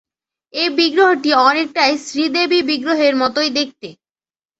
এই বিগ্রহটি অনেকটাই শ্রীদেবী বিগ্রহের মতোই দেখতে।